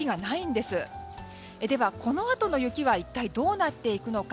では、このあとの雪は一体どうなっていくのか。